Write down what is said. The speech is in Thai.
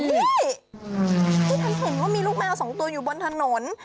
ปุ๋ยดีที่ทันเห็นว่ามีลูกแมวสองตัวบนถนน